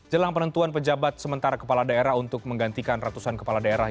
jelang penentuan pejabat sementara kepala daerah untuk menggantikan ratusan kepala daerah